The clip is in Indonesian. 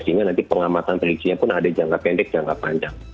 sehingga nanti pengamatan prediksinya pun ada jangka pendek jangka panjang